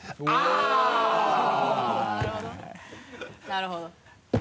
なるほど。